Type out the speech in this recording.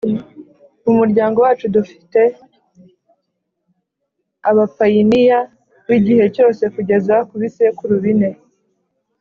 Mu muryango wacu dufte abapayiniya b’igihe cyose kugeza ku bisekuru bine